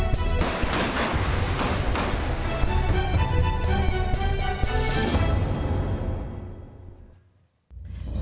โอ้โฮ